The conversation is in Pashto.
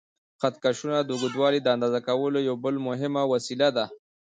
خط کشونه د اوږدوالي د اندازه کولو یو بل مهم وسیله ده.